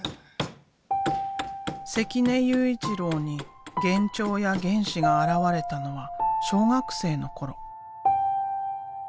関根悠一郎に幻聴や幻視が現れたのは小学生の頃。